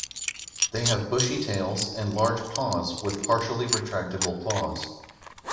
They have bushy tails, and large paws with partially retractible claws.